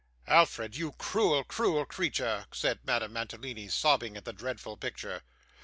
'Alfred, you cruel, cruel creature,' said Madame Mantalini, sobbing at the dreadful picture.